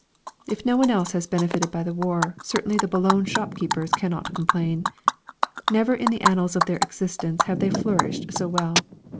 _ If no one else has benefited by the war, certainly the Boulogne shopkeepers cannot complain! Never in the annals of their existence have they flourished so well.